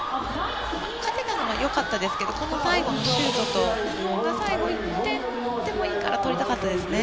攻めたのはよかったですけどこの最後のシュートと日本が最後１点でもいいから取りたかったですね。